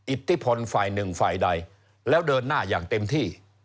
อิทธิพลฝ่ายหนึ่งฝ่ายใดแล้วเดินหน้าอย่างเต็มที่